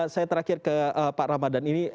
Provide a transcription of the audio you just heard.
saya terakhir ke pak ramadhan ini